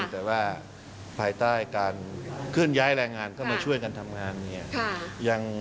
แต่ว่าภายใต้การเคลื่อนย้ายแรงงานเข้ามาช่วยกันทำงานเนี่ย